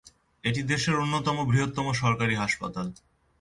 এটি দেশের অন্যতম বৃহত্তম সরকারি হাসপাতাল।